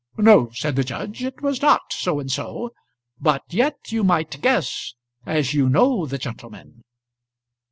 "No," said the judge, "it was not So and so; but yet you might guess, as you know the gentleman."